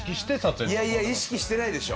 いやいや意識してないでしょ。